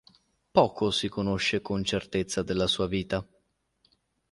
Poco si conosce con certezza della sua vita.